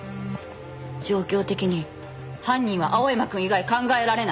状況的に犯人は青山くん以外考えられない。